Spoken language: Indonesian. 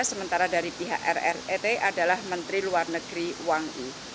sementara dari pihak rrit adalah menteri luar negeri wang i